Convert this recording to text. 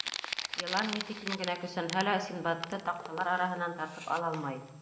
Йылан, ни тиклем генә көсәнһә лә, Синдбадты таҡталар араһынан тартып ала алмай.